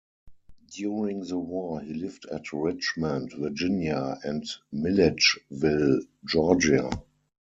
During the war, he lived at Richmond, Virginia, and Milledgeville, Georgia.